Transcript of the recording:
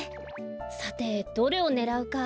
さてどれをねらうか。